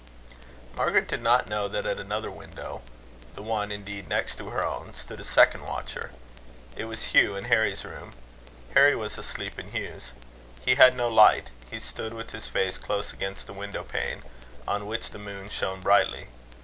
Margaret did not know, that at another window the one, indeed, next to her own stood a second watcher. It was Hugh, in Harry's room: Harry was asleep in Hugh's. He had no light. He stood with his face close against the windowpane, on which the moon shone brightly.